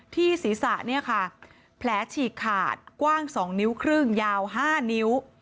ที่ศีรษะเนี่ยค่ะแผลฉีกขาดกว้าง๒นิ้วครึ่งยาว๕นิ้ว